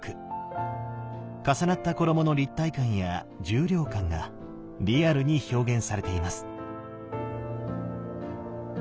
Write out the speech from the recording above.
重なった衣の立体感や重量感がリアルに表現されています。